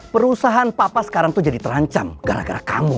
perusahaan papa sekarang tuh jadi terancam gara gara kamu